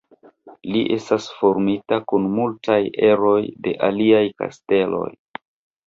Li estas formita kun multaj eroj de aliaj kasteloj.